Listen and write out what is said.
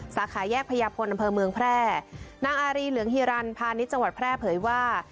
สาขาแยกพญาพลอำเภอเมืองแพร่นางอารีเหลืองฮิรันพาณิชย์จังหวัดแพร่เผยว่า